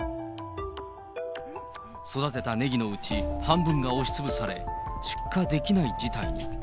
育てたねぎのうち、半分が押しつぶされ、出荷できない事態に。